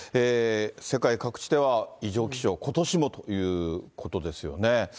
世界各地では異常気象、ことしもということですよね。